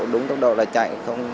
đúng tốc độ là chạy